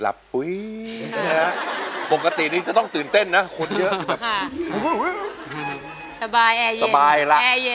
หลับอุ๊ยค่ะปกตินี้จะต้องตื่นเต้นนะคนเยอะค่ะสบายแอร์เย็นสบายล่ะแอร์เย็น